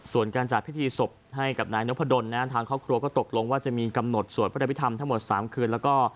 ส่วนการจัดพิธีศพให้กับนายนพดลทางครอบครัวก็ตกลงว่าจะมีกำหนดสวดพระอภิธรรมทั้งหมด๓คืนแล้วก็